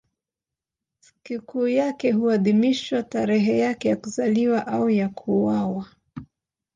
Sikukuu yake huadhimishwa tarehe yake ya kuzaliwa au ya kuuawa.